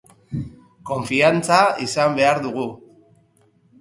Konfiantza izan behar dugu.